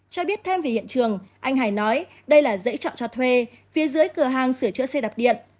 cho biết thêm về hiện trường anh hải nói đây là giấy trọn cho thuê phía dưới cửa hàng sửa chữa xe đạp điện